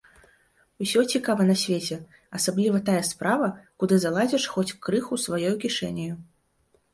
Усё цікава на свеце, асабліва тая справа, куды залазіш хоць крыху сваёю кішэняю.